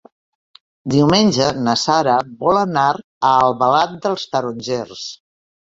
Diumenge na Sara vol anar a Albalat dels Tarongers.